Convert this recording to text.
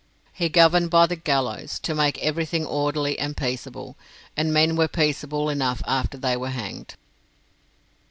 He governed by the gallows, to make everything orderly and peaceable, and men were peaceable enough after they were hanged.